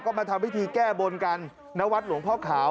ก็มาทำพิธีแก้บนกันณวัดหลวงพ่อขาว